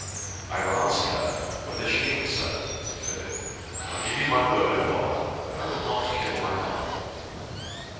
"I will ask her whether she thinks so," said Philip, "and I give you my word of honour that I will not kill my mother."